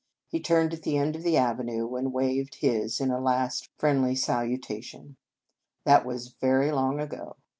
He turned at the end of the avenue, and waved his in a last friendly salutation. That was very long ago.